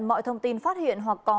mọi thông tin phát hiện hoặc có